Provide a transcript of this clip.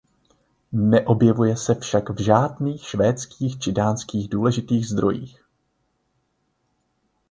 Neobjevuje se však v žádných švédských či dánských důležitých zdrojích.